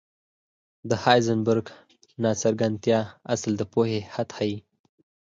د هایزنبرګ ناڅرګندتیا اصل د پوهې حد ښيي.